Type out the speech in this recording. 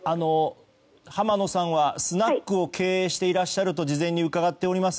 浜野さんはスナックを経営していらっしゃると事前に伺っております。